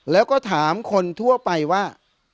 แล้วก็ถามคนทั่วไปว่า